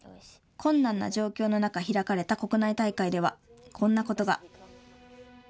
困難な状況の中、開かれた国内大会ではこんなことが。